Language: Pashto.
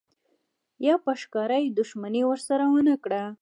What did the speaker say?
یا په ښکاره یې دښمني ورسره ونه کړه.